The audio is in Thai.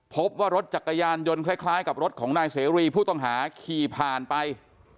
พบว่ารถจักรยานยนต์คล้ายกับรถของนายเสรีผู้ต้องหาขี่ผ่านไป